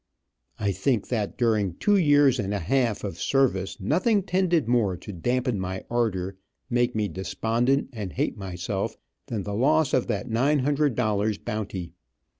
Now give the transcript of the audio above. I think that during two years and a half of service nothing tended more to dampen my ardor, make me despondent, and hate myself, than the loss of that nine hundred dollars bounty.